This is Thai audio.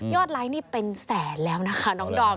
ยอดไลค์นี้เป็นแสนแล้วนะคะ